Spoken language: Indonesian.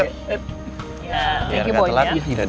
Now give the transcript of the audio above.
terima kasih boy